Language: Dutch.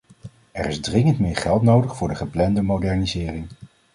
Er is dringend meer geld nodig voor de geplande moderniseringen.